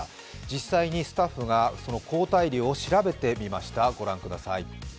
実際にスタッフが抗体量を調べてみました。